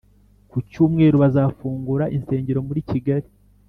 Kucyumweru bazafungura insengero muri Kigali